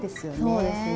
そうですね。